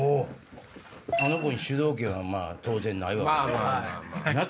あの子に主導権は当然ないわけやんか。